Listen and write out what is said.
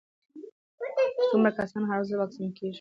څومره کسان هره ورځ واکسین کېږي؟